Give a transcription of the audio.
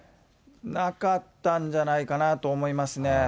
なかったんじゃないかなと思いますね。